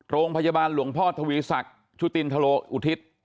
โรงพยาบาลหลวงพ่อทวีศักดิ์ชุตินทะโลอุทิศ